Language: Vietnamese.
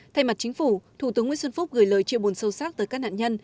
thay mặt chính phủ thủ tướng nguyễn xuân phúc gửi lời chia buồn sâu sắc tới các nạn nhân